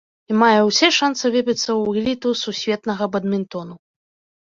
І мае ўсе шанцы выбіцца ў эліту сусветнага бадмінтону.